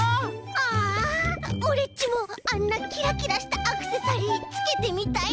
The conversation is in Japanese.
ああオレっちもあんなキラキラしたアクセサリーつけてみたいな！